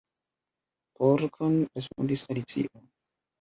"Porkon," respondis Alicio.